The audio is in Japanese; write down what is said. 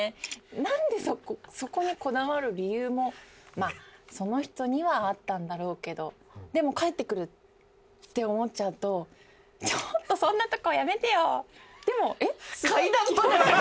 なんでそこそこにこだわる理由もまあその人にはあったんだろうけどでも帰ってくるって思っちゃうとちょっとそんなとこやめてよでもえっ？